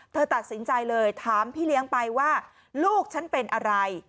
เธอตัดสินใจเลยถามพี่เลี้ยงไปว่าลูกฉันเป็นอะไร